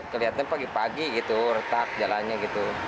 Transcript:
kelihatannya pagi pagi gitu retak jalannya gitu